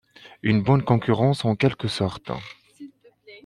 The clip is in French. Une bonne concurrence en quelque sorte.